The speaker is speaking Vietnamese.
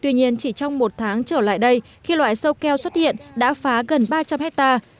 tuy nhiên chỉ trong một tháng trở lại đây khi loại sâu keo xuất hiện đã phá gần ba trăm linh hectare